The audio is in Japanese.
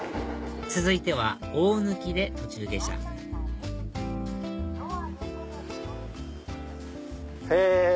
続いては大貫で途中下車へぇ！